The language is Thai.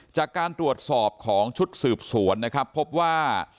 จากการตรวจสอบของชุดสืบสวนนะครับพบว่า